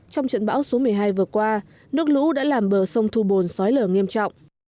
trong trận bão số một mươi hai vừa qua nước lũ đã làm bờ sông thu bồn xói lở nghiêm trọng